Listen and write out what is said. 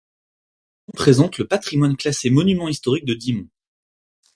Cette section présente le patrimoine classé monument historique de Dixmont.